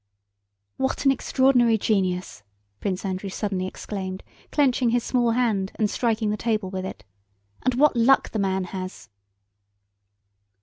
"What an extraordinary genius!" Prince Andrew suddenly exclaimed, clenching his small hand and striking the table with it, "and what luck the man has!"